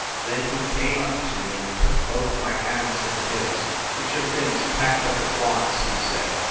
Then he came up to me and took both my Hands in his. "Get your things packed up at once!" he said.